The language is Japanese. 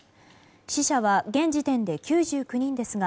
死者は現時点で９９人ですが